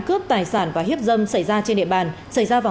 cướp tài sản và hiếp dâm xảy ra trên địa bàn xảy ra vào